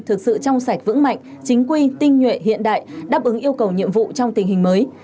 thực sự trong sạch vững mạnh chính quy tinh nhuệ hiện đại đáp ứng yêu cầu nhiệm vụ trong tình hình mới